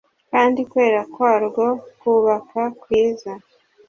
Kandi kwera kwarwo kubaka kwiza